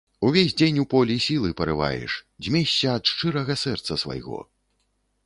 Увесь дзень у полі сілы парываеш, дзьмешся ад шчырага сэрца свайго.